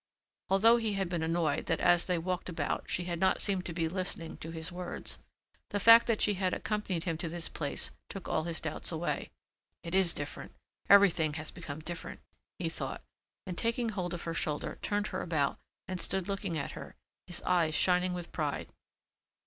Although he had been annoyed that as they walked about she had not seemed to be listening to his words, the fact that she had accompanied him to this place took all his doubts away. "It is different. Everything has become different," he thought and taking hold of her shoulder turned her about and stood looking at her, his eyes shining with pride.